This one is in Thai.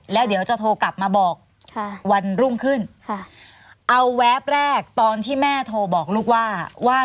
แล้วเดี๋ยวจะโทรกลับมาบอกวันรุ่งขึ้นค่ะเอาแวบแรกตอนที่แม่โทรบอกลูกว่าว่า